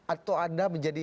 atau anda menjadi